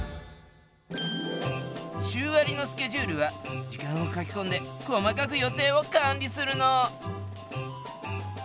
週割りのスケジュールは時間を書きこんで細かく予定を管理するの。